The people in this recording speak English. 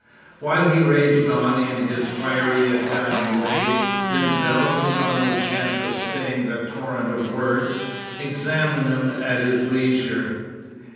While he raged on in his fiery Italian way, Denzil, who saw no chance of staying the torrent of words, examined him at his leisure.